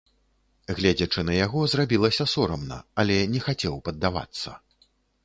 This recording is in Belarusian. Гледзячы на яго, зрабілася сорамна, але не хацеў паддавацца.